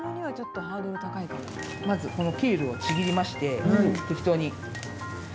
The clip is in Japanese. まず、このケールをちぎりまして適当に。